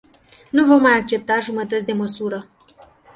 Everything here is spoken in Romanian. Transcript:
Nu vom mai accepta jumătăți de măsură.